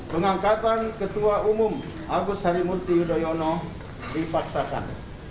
pengangkatan ketua umum agus harimurti yudhoyono dipaksakan